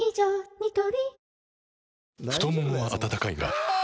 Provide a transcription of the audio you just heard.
ニトリ太ももは温かいがあ！